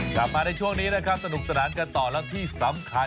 กลับมาในช่วงนี้นะครับสนุกสนานกันต่อแล้วที่สำคัญ